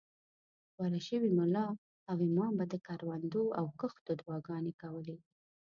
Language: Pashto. غوره شوي ملا او امام به د کروندو او کښتو دعاګانې کولې.